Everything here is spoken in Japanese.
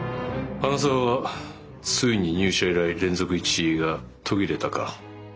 花澤はついに入社以来連続１位が途切れたか。